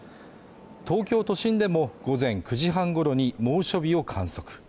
東京都心でも午前９時半ごろに猛暑日を観測。